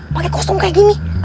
pake kostum kayak gini